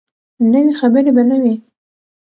نوي خبرې به نه وي.